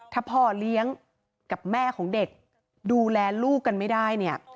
ถ้าพ่อเลี้ยงกับแม่ของเด็กดูแลลูกกันไม่ได้เนี่ย